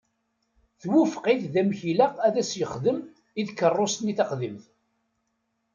Twufeq-it deg amek ilaq ad s-xedmen i tkeṛṛust-nni taqdimt.